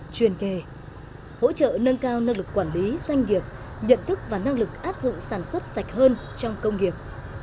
chuyên kề hỗ trợ nâng cao năng lực quản lý doanh nghiệp nhận thức và năng lực áp dụng sản xuất sạch hơn trong công nghiệp